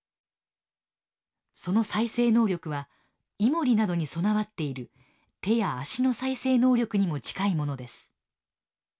その再生能力はイモリなどに備わっている手や足の再生能力にも近いものです。